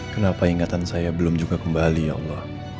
kenapa ingatan saya belum juga kembali ya allah